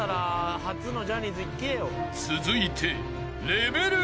［続いて］